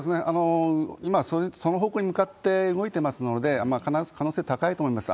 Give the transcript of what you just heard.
今、その方向に向かって動いてますので、必ず可能性高いと思います。